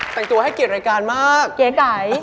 แต่งตัวให้เกียรติรายการมากเก๋ไก่